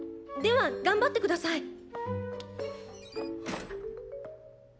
では頑張って下さい。